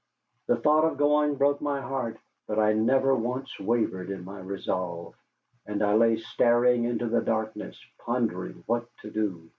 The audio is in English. The thought of going broke my heart, but I never once wavered in my resolve, and I lay staring into the darkness, pondering what to do.